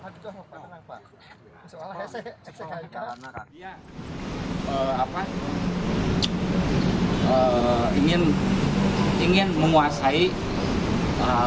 ganda permana berhutang untuk mendapatkan uang sebagai hampa